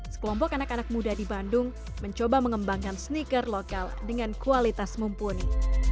sekelompok anak anak muda di bandung mencoba mengembangkan sneaker lokal dengan kualitas mumpuni